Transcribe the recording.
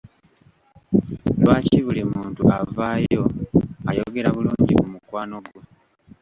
Lwaki buli muntu avaayo ayogera bulungi ku mukwano gwo?